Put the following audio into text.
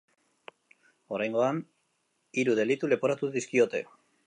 Oraingoan hiru delitu leporatu dizkiote.